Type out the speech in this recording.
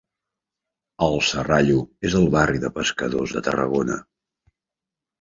El Serrallo és el barri de pescadors de Tarragona.